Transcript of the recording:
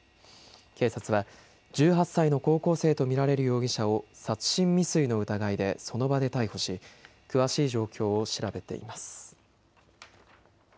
警察は１８歳の高校生と見られる容疑者を殺人未遂の疑いでその場で逮捕し詳しい状況を調べています。